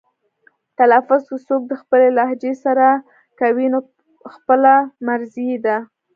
تلفظ که څوک د خپلې لهجې سره کوي نو خپله مرزي یې ده.